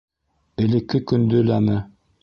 - Элекке көндө ләме?